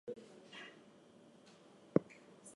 She sank without loss of life the same day.